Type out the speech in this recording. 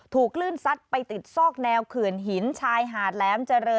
ถูกคลื่นซัดไปติดซอกแนวเขื่อนหินชายหาดแหลมเจริญ